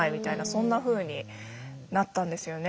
そんなふうになったんですよね。